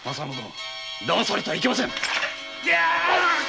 だまされてはいけません！